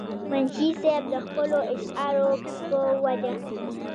منشي صېب د خپلو اشعارو پۀ وجه